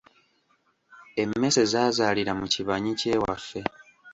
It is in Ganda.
Emmese zaazaalira mu kibanyi ky’ewaffe.